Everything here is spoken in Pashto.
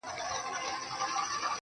زه ولاړ یمه همغې دروازې ته